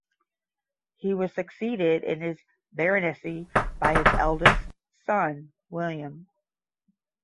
He was succeeded in his baronetcy by his eldest son William.